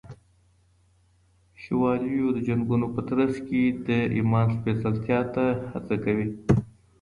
شوالیو د جنگونو په ترڅ کي د ایمان سپېڅلتیا ته هڅه کوي.